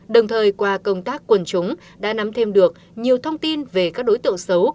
đồng thời qua công tác quần chúng đã nắm thêm được nhiều thông tin về các đối tượng xấu